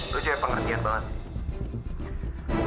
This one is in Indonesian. lo jauh pengertian banget